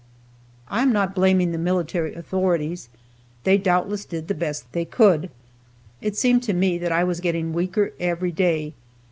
I am not blaming the military authorities. They doubtless did the best they could. It seemed to me that I was getting weaker every day.